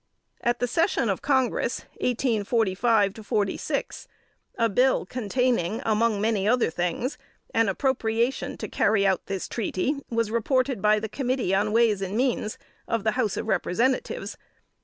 NOTE. At the session of Congress, 1845 6, a bill containing, among many other things, an appropriation to carry out this treaty, was reported by the committee on Ways and Means, of the House of Representatives.